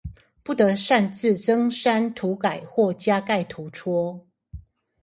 不得擅自增刪塗改或加蓋圖戳